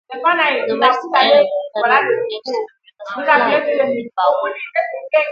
The western end of the canal connects to the River Clyde at Bowling.